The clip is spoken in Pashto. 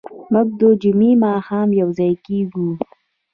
موږ د جمعې ماښام یوځای کېږو.